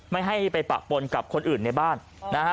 ไม่ให้ไปปะปนกับคนอื่นในบ้านนะฮะ